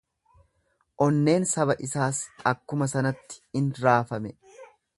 Onneen saba isaas akkuma sanatti in raafame.